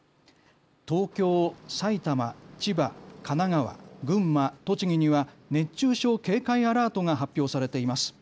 東京、埼玉、千葉、神奈川、群馬、栃木には熱中症警戒アラートが発表されています。